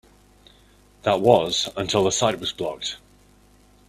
That was until the site was blocked.